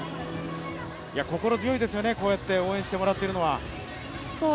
心強いですよね、こうやって応援してもらってるのは。